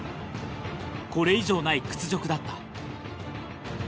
これ以上ない屈辱だった。